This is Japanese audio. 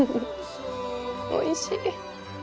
おいしい！